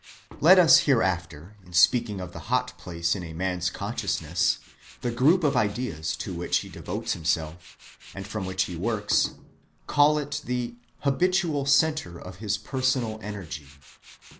Let us hereafter, in speaking of the hot place in a man's consciousness, the group of ideas to which he devotes himself, and from which he works, call it the habitual centre of his personal energy.